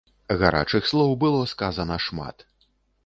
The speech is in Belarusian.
Гарачых слоў было сказана шмат.